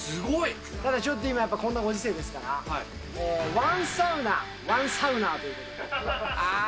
ただちょっと今、こんなご時世ですから、１サウナ、１サウナーということで。